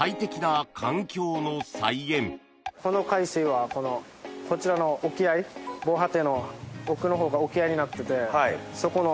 この海水はこちらの沖合防波堤の奥の方が沖合になっててそこの。